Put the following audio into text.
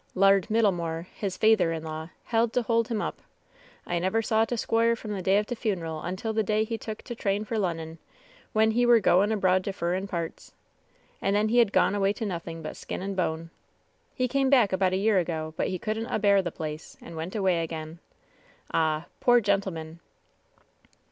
Laird Middlemoor, his feyther in law, hed to hold him up. I never saw t' squoire from the day of t' funeral un til the day he took t^ train for Lunnun, when he were g6ing abroad to furrin pairts. And then he had gone away to nothing but skin and bone! He came back about a year ago ; but he couldn't abear the place, and went away again. Ah, poor gentleman